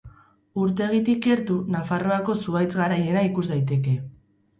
Urtegitik gertu Nafarroako zuhaitz garaiena ikus daiteke.